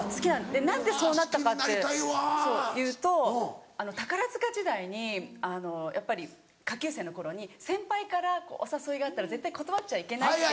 何でそうなったかっていうと宝塚時代にやっぱり下級生の頃に先輩からお誘いがあったら絶対断っちゃいけないって。